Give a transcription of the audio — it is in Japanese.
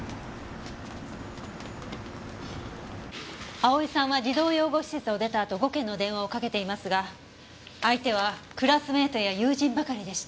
蒼さんは児童養護施設を出たあと５件の電話をかけていますが相手はクラスメートや友人ばかりでした。